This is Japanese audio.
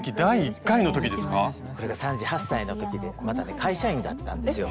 スタジオこれが３８歳の時でまだね会社員だったんですよ。